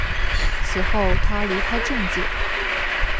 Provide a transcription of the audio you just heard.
此后他离开政界。